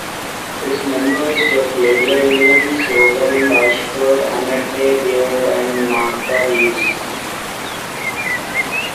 Its members were Gloria Williams, Rosalind Ashford, Annette Beard and Martha Reeves.